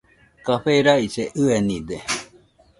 Café raise ɨenide.